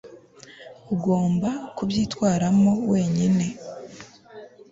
Uzagomba kubyitwaramo wenyine